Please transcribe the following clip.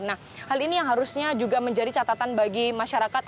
nah hal ini yang harusnya juga menjadi catatan bagi masyarakat